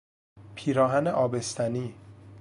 پیراهن آبستنی